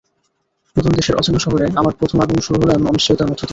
নতুন দেশের অচেনা শহরে আমার প্রথম আগমন শুরু হলো এমন অনিশ্চয়তার মধ্য দিয়ে।